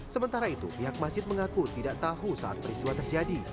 sementara itu pihak masjid mengaku tidak tahu saat peristiwa terjadi